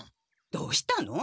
どうしたの？